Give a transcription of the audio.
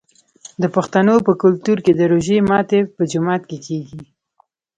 د پښتنو په کلتور کې د روژې ماتی په جومات کې کیږي.